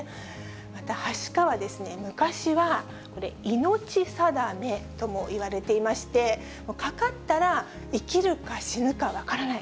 またはしかはですね、昔は、これ、命定めともいわれていまして、かかったら、生きるか死ぬか分からない。